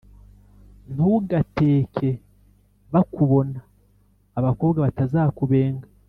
ntugateke bakubona; abakobwa batazakubenga.